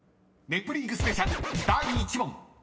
［『ネプリーグ』スペシャル第１問］